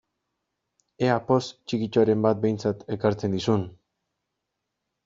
Ea poz txikitxoren bat behintzat ekartzen dizun!